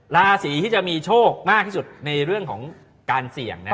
ราศีที่จะมีโชคมากที่สุดในเรื่องของการเสี่ยง